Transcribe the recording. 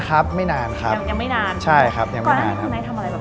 ก่อนหน้านี้คุณไนท์ทำอะไรบ้างบ้างครับ